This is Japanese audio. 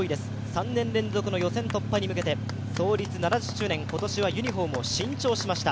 ３年連続の予選突破に向けて創立７０周年、今年はユニフォームを新調しました。